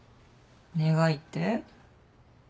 願いって？